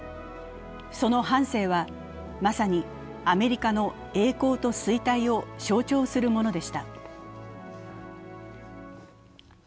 その半生は、まさにアメリカの栄光と衰退を象徴するものでした。